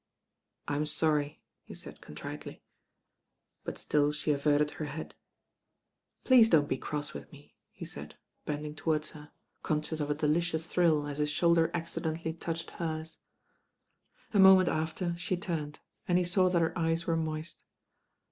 "I'm sorry," he said contritely; but still she averted her head. "Please don't be cross with me," he said, bending 180 THE RAIN GIRL ^ towards her, conscious of a delicious thrill as his shoulder accidentally touched hers. A moment after she turned, and he saw that her eyes were moist.